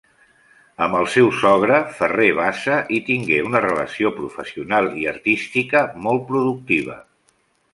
Amb el seu sogre Ferrer Bassa hi tingué una relació professional i artística molt productiva.